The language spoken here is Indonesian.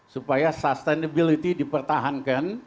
supaya sustainability dipertahankan